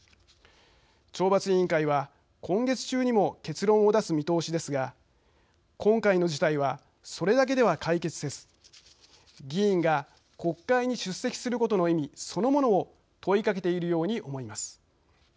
懲罰委員会は今月中にも結論を出す見通しですが今回の事態はそれだけでは解決せず議員が国会に出席することの意味そのものを問いかけているように思います。